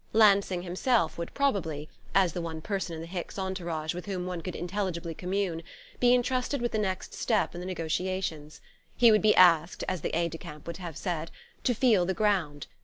Lansing himself would probably as the one person in the Hicks entourage with whom one could intelligibly commune be entrusted with the next step in the negotiations: he would be asked, as the aide de camp would have said, "to feel the ground."